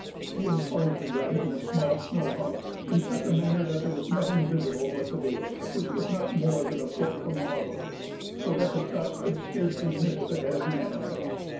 He enclosed the gun in a small snow house, in such a manner that there was nothing visible but the bait, which was not more than a foot from the muzzle, so that the shot could scarcely miss the head of the animal.